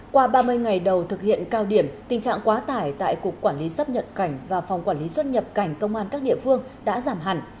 qua ba mươi ngày đầu thực hiện cao điểm tình trạng quá tải tại cục quản lý sắp nhập cảnh và phòng quản lý xuất nhập cảnh công an các địa phương đã giảm hẳn